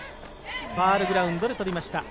ファウルグラウンドで捕りました。